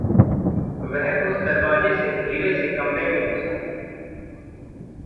वह उस दरवाज़े से धीरे से कमरे में घुसा।